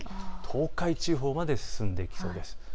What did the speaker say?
東海地方まで進んできそうです。